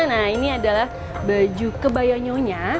nah ini adalah baju kebayonyonya